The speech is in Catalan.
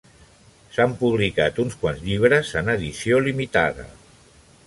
S'han publicat uns quants llibres en edició limitada.